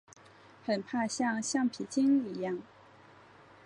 很怕像橡皮筋一样